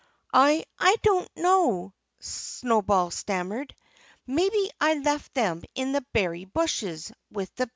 "I I don't know," Snowball stammered. "Maybe I left them in the berry bushes, with the bear."